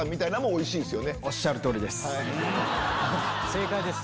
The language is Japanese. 正解です。